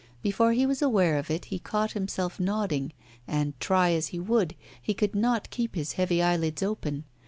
Before he was aware of it he caught himself nodding, and, try as he would, he could not keep his heavy eyelids open.